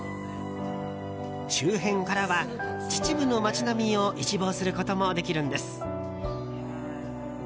周辺からは秩父の街並みを一望することもできるんです。